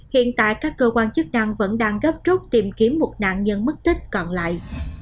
hiện tại các cơ quan chức năng vẫn đang gấp rút tìm kiếm một nạn nhân mất tích còn lại